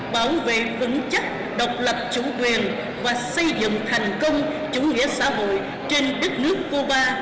bảo vệ vững chắc độc lập chủ quyền và xây dựng thành công chủ nghĩa xã hội trên đất nước cuba